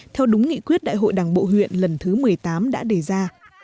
theo đúng nghị quyết đại hội đảng bộ huyện lần thứ một mươi tám đã đề ra